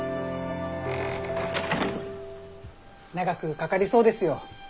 長くかかりそうですよ。